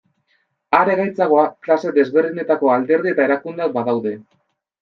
Are gaitzagoa klase desberdinetako alderdi eta erakundeak badaude.